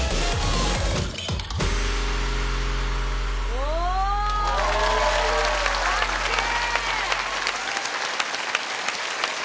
お！かっけえ！